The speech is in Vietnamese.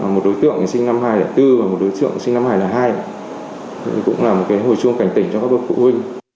một đối tượng sinh năm hai nghìn bốn và một đối tượng sinh năm hai nghìn hai cũng là một hồi chuông cảnh tỉnh cho các bậc phụ huynh